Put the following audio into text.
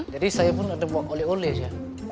jadi saya pun ada waktu oleh oleh sih